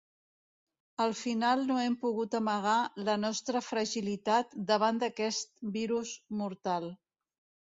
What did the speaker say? Al final no hem pogut amagar la nostra fragilitat davant d'aquest virus mortal.